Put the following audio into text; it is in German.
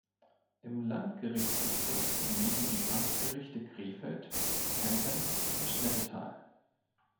Im Landgerichtsbezirk liegen die Amtsgerichte Krefeld, Kempen und Nettetal.